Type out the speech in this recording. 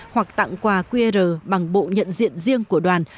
hoặc tặng quà qr bằng bộ nhận diện riêng của đoàn